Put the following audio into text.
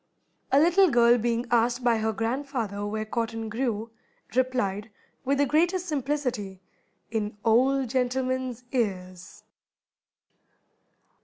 A little girl being asked by her grandfather where cotton grew, replied, with the greatest simplicity, "In old gentlemen's ears."